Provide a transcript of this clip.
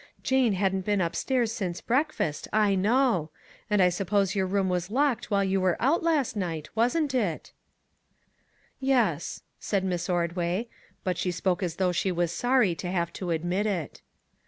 Jane hadn't been upstairs since breakfast, I know; and I suppose your room was locked while you were out of it last night, wasn't it ?";< Yes," said Miss Ordway, but she spoke as though she was sorry to have to admit it.